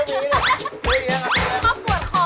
คุณสุดยอบมากเลยนะคะคุณโกง